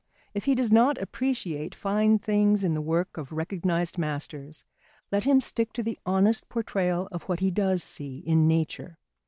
If he does not appreciate fine things in the work of recognised masters, let him stick to the honest portrayal of what he does see in nature.